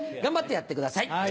頑張ってやってください。